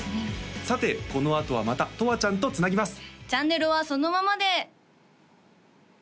さてこのあとはまたとわちゃんとつなぎます